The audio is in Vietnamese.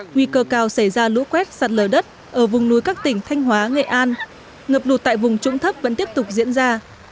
nguy cơ cao xảy ra lũ quét sạt lở đất ở vùng núi các tỉnh thanh hóa nghệ an ngập lụt tại vùng trũng thấp vẫn tiếp tục diễn ra